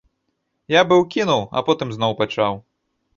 Я быў кінуў, а потым зноў пачаў.